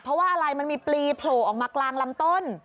เพราะว่าอะไรมันมีปลีโผล่ออกมากลางลำต้น